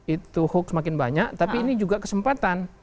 itu hoax semakin banyak tapi ini juga kesempatan